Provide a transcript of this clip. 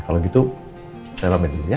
kalau gitu saya rame dulu ya